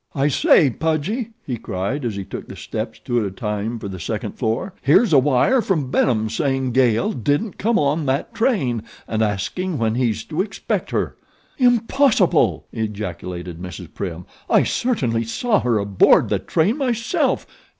"I say, Pudgy," he cried, as he took the steps two at a time for the second floor, "here's a wire from Benham saying Gail didn't come on that train and asking when he's to expect her." "Impossible!" ejaculated Mrs. Prim. "I certainly saw her aboard the train myself.